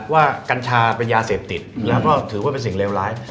กัญชาเป็นยาเสพติดแล้วก็ถือว่าเป็นสิ่งเลวร้าย